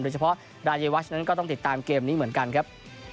โดยเฉพาะดาเยวัชนั้นก็ต้องติดตามเกมนี้เหมือนกันครับ